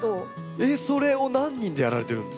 えっそれを何人でやられてるんですか？